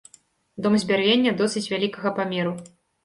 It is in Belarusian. Дом з бярвення досыць вялікага памеру.